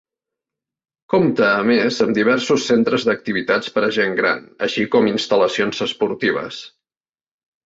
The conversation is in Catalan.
Compta a més amb diversos centres d'activitats per a gent gran, així com instal·lacions esportives.